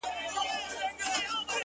راسه دروې ښيم،